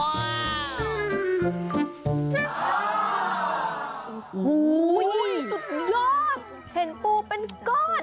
โอ้โหสุดยอดเห็นปูเป็นก้อน